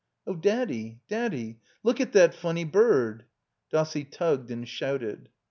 . *'0h. Daddy, Daddy, look at that funny bird!" Dossie tugged and shouted.